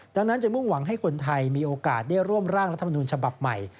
ดังนั้นจะมุ่งหวังให้คนไทยมีโอกาสได้ร่วมร่างรัฐมนุนฉบับใหม่